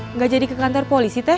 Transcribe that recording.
nggak jadi ke kantor polisi teh